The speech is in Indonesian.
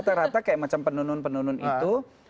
rata rata kayak macam penenun penenun itu